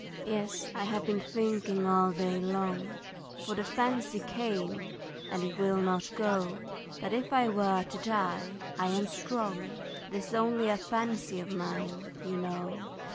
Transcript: Yes, I have been thinking all day long, For the fancy came and it will not go, That if I were to die I am strong, 'Tis only a fancy of mine, you know.